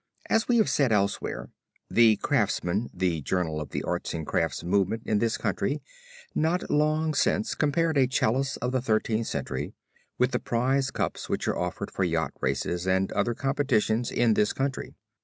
As we have said elsewhere The Craftsman, the journal of the Arts and Crafts Movement in this country not long since compared a Chalice of the Thirteenth Century with the prize cups which are offered for yacht races and other competitions in this country.